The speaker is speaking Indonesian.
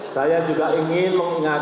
saya ingin menjaga kepentingan